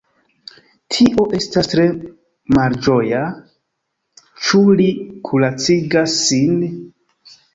Tio estas tre malĝoja; ĉu li kuracigas sin?